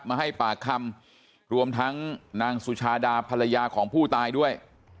มาให้ปากคำรวมทั้งนางสุชาดาภรรยาของผู้ตายด้วย